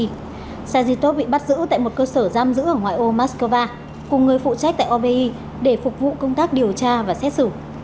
saigitov bị bắt giữ tại một cơ sở giam giữ ở ngoại ô moscow cùng người phụ trách tại obi để phục vụ công tác điều tra và xét xử